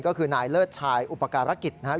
ก็คือนายเลิศชายอุปการกิจนะครับ